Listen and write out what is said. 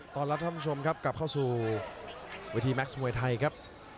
ตอนรับท่านผู้ชมครับกลับเข้าสู่เวทีแม็กซ์มวยไทยครับ